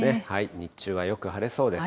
日中はよく晴れそうです。